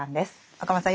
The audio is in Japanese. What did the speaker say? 若松さん